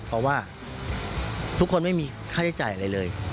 เพราะว่าทุกคนไม่มีค่าใช้จ่ายอะไรเลย